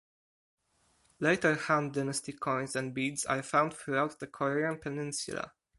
Later Han dynasty coins and beads are found throughout the Korean peninsula.